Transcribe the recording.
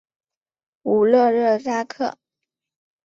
武勒热扎克。